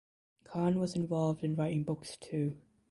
Khan was involved in writing books too.